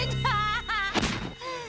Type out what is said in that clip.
tidak jangan tolong